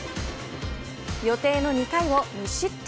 予定の２回を無失点。